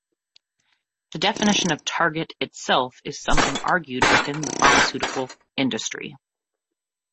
The definition of "target" itself is something argued within the pharmaceutical industry.